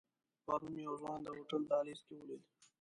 پرون مې یو ځوان د هوټل دهلیز کې ولید.